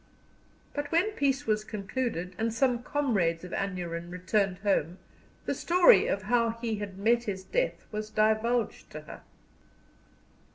But when peace was concluded, and some comrades of Aneurin returned home, the story of how he had met his death was divulged to her.